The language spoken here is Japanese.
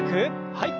はい。